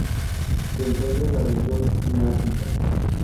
Se encuentran en la región Neártica.